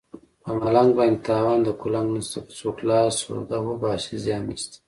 په ملنګ باندې تاوان د قلنګ نشته که څوک لاس سوده وباسي زیان نشته